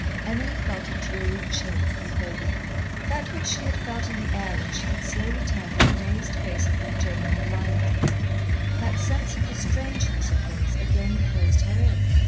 Emily felt a dreary chill creep over her. That which she had felt in the air when she had slowly turned an amazed face upon Jane in the Lime Avenue, that sense of the strangeness of things again closed her in.